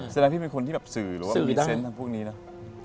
แสดงพี่เป็นคนที่แบบสื่อหรือว่ามีเซ็นต์ทั้งพวกนี้เนอะสื่อด้วย